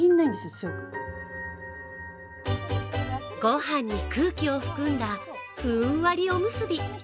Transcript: ご飯に空気を含んだふんわりおむすび。